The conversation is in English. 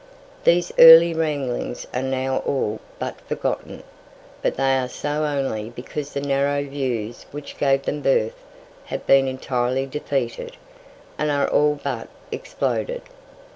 These early wranglings are now all but forgotten. But they are so only because the narrow views which gave them birth have been entirely defeated, and are all but exploded.